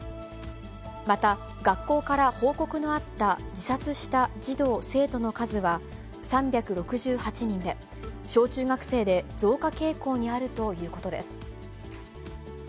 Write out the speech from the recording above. また、学校から報告のあった自殺した児童・生徒の数は３６８人で、小中学生で増加傾向にあるということです。